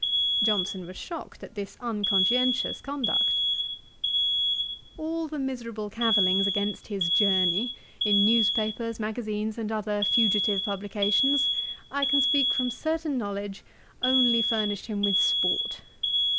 Johnson was shocked at this unconscientious conduct. All the miserable cavillings against his Journey, in news papers, magazines, and other fugitive publications, I can speak from certain knowledge, only furnished him with sport.